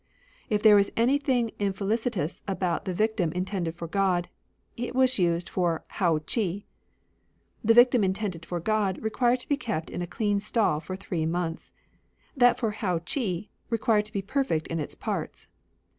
If there was anything infelicitous about the victim intended for God, it was used for Hou Chi. The victim intended for God required to be kept in a clean stall for three months ; that for Hou Chi simply required to be perfect in its parts.